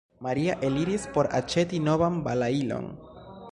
Maria eliris por aĉeti novan balailon.